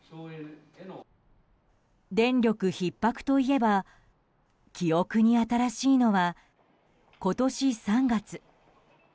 電力ひっ迫といえば記憶に新しいのは今年３月。